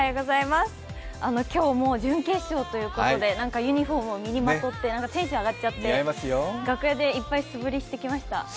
今日もう準決勝ということで、ユニフォームを身にまとってなんかテンション上がっちゃって楽屋でいっぱい素振りしてきました。